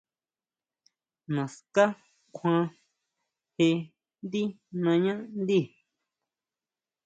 ¿Naská kjuan jé ndí nañáʼndí?